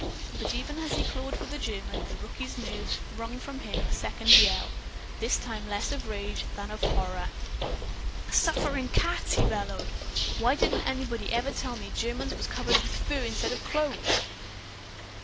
But even as he clawed for the German, the rookie's nerves wrung from him a second yell this time less of rage than of horror. "Sufferin' cats!" he bellowed. "Why didn't anybody ever tell me Germans was covered with fur instead of clothes?"